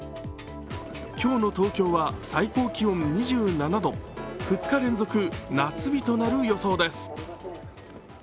今日の東京は最高気温２７度、２日連続夏日となる予想です。